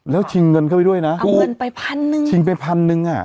แล้วชิงเงินเข้าไปด้วยนะชิงเงินไปพันหนึ่งชิงไปพันหนึ่งอ่ะ